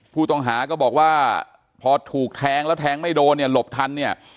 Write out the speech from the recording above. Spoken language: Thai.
ผู้ต้องหาก็บอกว่าพอถูกแทงแล้วแทงไม่โดนเนี่ยหลบทันเนี่ย